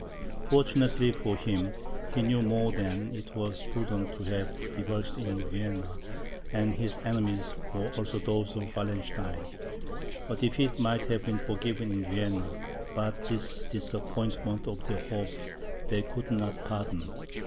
Fortunately for him, he knew more than it was prudent to have divulged in Vienna, and his enemies were also those of Wallenstein. A defeat might have been forgiven in Vienna, but this disappointment of their hopes they could not pardon.